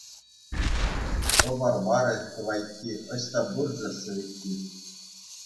Тӑвар варӗ — тӑвайкки, ӑҫта пур-ши сӗвекки?